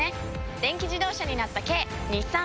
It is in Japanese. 電気自動車になった軽日産サクラ！